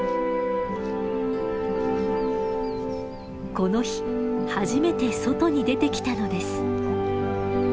この日初めて外に出てきたのです。